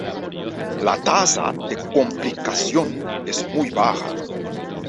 La tasa de complicación es muy baja.